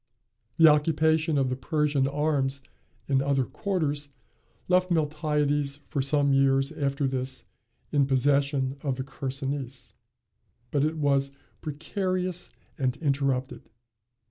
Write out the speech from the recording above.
The occupation of the Persian arms in other quarters left Miltiades for some years after this in possession of the Chersonese; but it was precarious and interrupted.